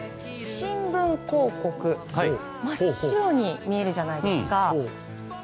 新聞広告真っ白に見えるじゃないですか。